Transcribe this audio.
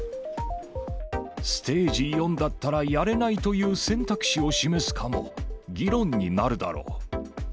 ステージ４だったらやれないという選択肢を示すかも議論になるだろう。